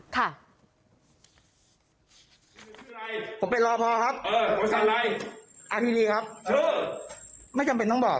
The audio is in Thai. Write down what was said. นี่ทรัพย์ศิลป์การแห่งชาติเป็นของหลวง